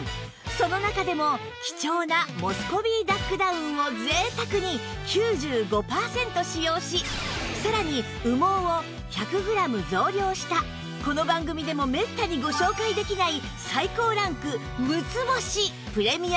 その中でも貴重なモスコビーダックダウンを贅沢に９５パーセント使用しさらに羽毛を１００グラム増量したこの番組でもめったにご紹介できない